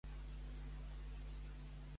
Què afirma Rajoy que fa falta, ara, a Catalunya?